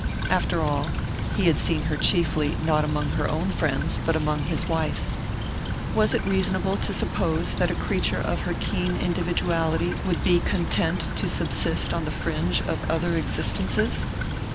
After all, he had seen her chiefly not among her own friends but among his wife's. Was it reasonable to suppose that a creature of her keen individuality would be content to subsist on the fringe of other existences?